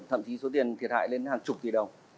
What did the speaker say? thậm chí số tiền thiệt hại lên hàng chục tỷ đồng